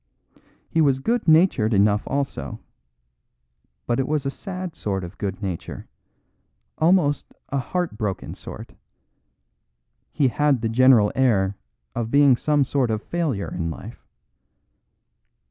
He was good natured enough also, but it was a sad sort of good nature, almost a heart broken sort he had the general air of being some sort of failure in life.